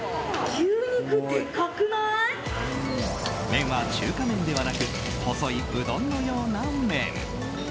麺は中華麺ではなく細いうどんのような麺。